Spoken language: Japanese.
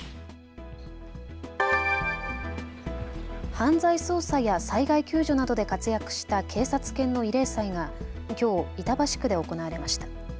犯罪捜査や災害救助などで活躍した警察犬の慰霊祭がきょう、板橋区で行われました。